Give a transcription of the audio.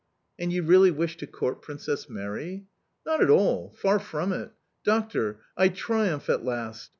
"And you really wish to court Princess Mary?" "Not at all, far from it!... Doctor, I triumph at last!